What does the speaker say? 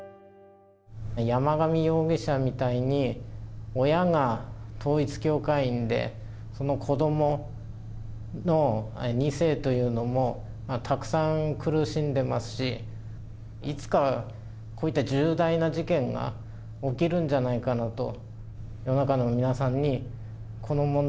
山上容疑者みたいに、親が統一教会員で、その子どもの２世というのも、たくさん苦しんでますし、いつかこういった重大な事件が起きるんじゃないかなと。